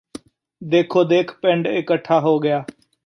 ਦੇਖੋ ਦੇਖ ਪਿੰਡ ਇਕੱਠਾ ਹੋ ਗਿਆ